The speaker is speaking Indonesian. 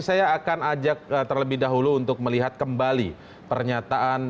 jadi saya akan ajak terlebih dahulu untuk melihat kembali pernyataan